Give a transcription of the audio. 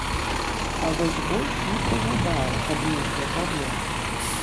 А вось больш не прыгадаю, каб нейкія праблемы.